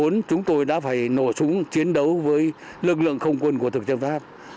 và ngay ngày một mươi bốn chúng tôi đã phải nổ súng chiến đấu với lực lượng không quân của thực dân pháp